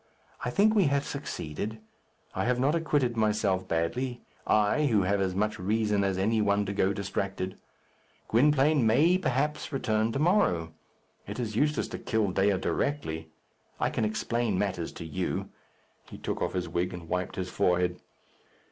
I think we have succeeded. I have not acquitted myself badly I, who have as much reason as any one to go distracted. Gwynplaine may perhaps return to morrow. It is useless to kill Dea directly. I can explain matters to you." He took off his wig and wiped his forehead.